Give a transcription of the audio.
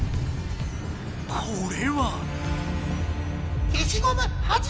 これは？